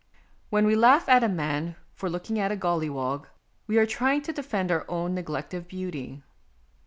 When we laugh at a man for looking at a golliwog, we are trying to defend our own neglect of beauty.